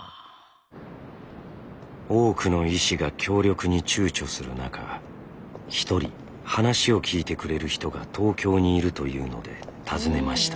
多くの医師が協力にちゅうちょする中一人話を聞いてくれる人が東京にいるというので訪ねました。